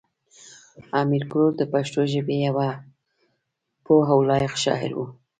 امیر کروړ د پښتو ژبې یو پوه او لایق شاعر و.